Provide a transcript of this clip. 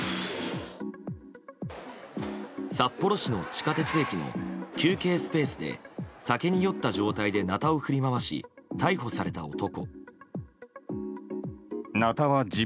札幌市の地下鉄駅の休憩スペースで酒に酔った状態でなたを振り回し逮捕された男。